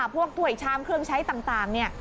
พวกถ่วยชามเครื่องใช้ต่าง